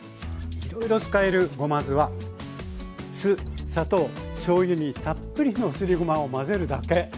いろいろ使えるごま酢は酢砂糖・しょうゆにたっぷりのすりごまを混ぜるだけ。